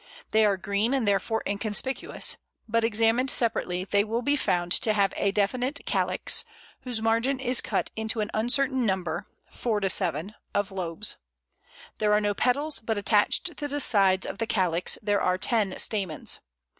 They are green, and therefore inconspicuous; but examined separately, they will be found to have a definite calyx, whose margin is cut into an uncertain number (4 7) of lobes. There are no petals, but attached to the sides of the calyx there are ten stamens.